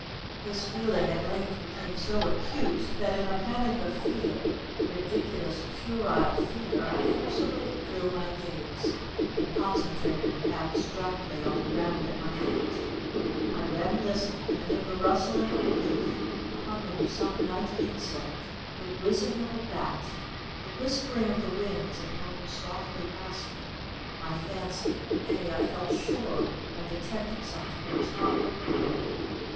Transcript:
This feeling at length became so acute, that, in a panic of fear—ridiculous, puerile fear, I forcibly withdrew my gaze and concentrated it abstractedly on the ground at my feet. I then listened, and in the rustling of a leaf, the humming of some night insect, the whizzing of a bat, the whispering of the wind as it moaned softly past me, I fancied—nay, I felt sure I detected something that was not ordinary.